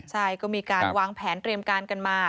ใช่ก็มีการวางแผนเตรียมการกันมา